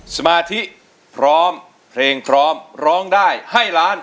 สมาธิพร้อมเพลงพร้อมร้องได้ให้ล้าน